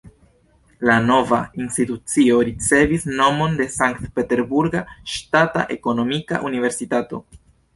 La nova institucio ricevis nomon de Sankt-Peterburga Ŝtata Ekonomika Universitato.